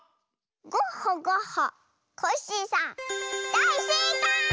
ゴッホゴッホコッシーさんだいせいかい！